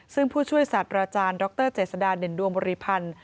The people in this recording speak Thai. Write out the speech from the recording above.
ซึ่งผู้ช่วยศาสตราจารย์ดรเจษฎาเด่นดวงบริพันธ์